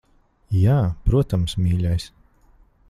Jā, protams, mīļais.